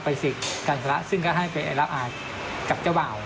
ปฏิเสธการชำระซึ่งก็ให้ไปรับอ่ากับเจ้าบ่าว